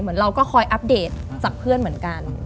เหมือนเราก็คอยอัปเดตจากเพื่อนเหมือนกัน